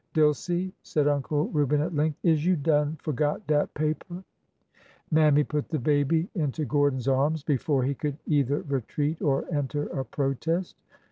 Dilsey," said Uncle Reuben at length, is you done forgot dat paper ?" Mammy put the baby into Gordon's arms before he could either retreat or enter a protest.